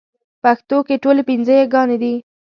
پښتو کې ټولې پنځه يېګانې دي